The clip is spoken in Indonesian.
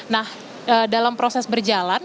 nah dalam proses berjalan